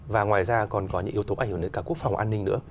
và ngoài ra còn có những yếu tố ảnh hưởng đến cả quốc phòng an ninh nữa